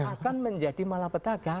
akan menjadi malapetaka